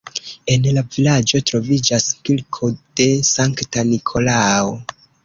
En la vilaĝo troviĝas kirko de Sankta Nikolao.